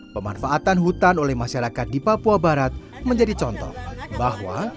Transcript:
pemanfaatan hutan oleh masyarakat di papua barat menjadi contoh bahwa